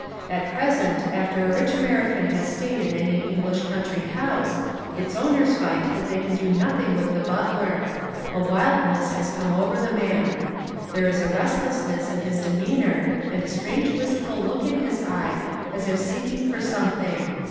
At present after a rich American has stayed in any English country house, its owners find that they can do nothing with the butler; a wildness has come over the man. There is a restlessness in his demeanour and a strange wistful look in his eye as if seeking for something.